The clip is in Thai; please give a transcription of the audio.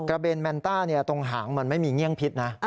เบนแมนต้าตรงหางมันไม่มีเงี่ยงพิษนะ